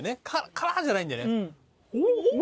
辛っ！じゃないんだよね。